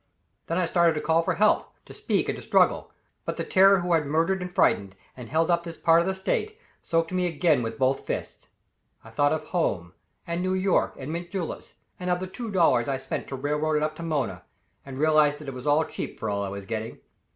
Then I started to call for help, to speak and to struggle; but the terror who had murdered and frightened, and held up this part of the State, soaked me again with both fists. I thought of home and New York and mint juleps, and of the two dollars I spent to railroad it up to Mona, and realized that it was cheap for all I was getting.